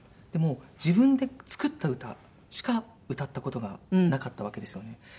でも自分で作った歌しか歌った事がなかったわけですよね。